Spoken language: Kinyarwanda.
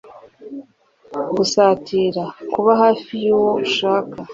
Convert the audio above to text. gusatira: kuba hafi y’uwo ushaka